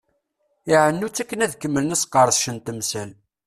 Iɛennu-tt akken ad kemmlen asqerdec n temsal.